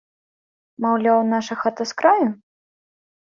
Маўляў, наша хата з краю?